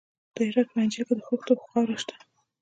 د هرات په انجیل کې د خښتو خاوره شته.